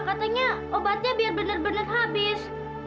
katanya obatnya biar benar benar habis